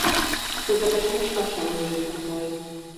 Közepesen és lassan növő fafaj.